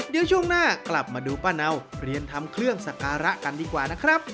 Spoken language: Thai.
เดี๋ยวช่วงหน้ากลับมาดูป้าเนาเตรียมทำเครื่องสักการะกันดีกว่านะครับ